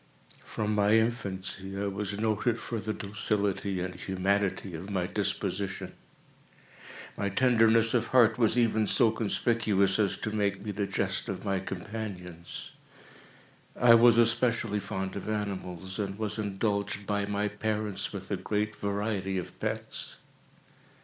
From my infancy I was noted for the docility and humanity of my disposition. My tenderness of heart was even so conspicuous as to make me the jest of my companions. I was especially fond of animals, and was indulged by my parents with a great variety of pets.